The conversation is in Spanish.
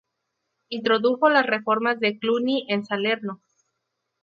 Introdujo las reformas de Cluny en Salerno.